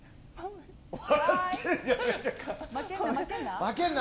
負けんな。